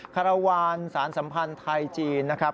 คารวาลสารสัมพันธ์ไทยจีนนะครับ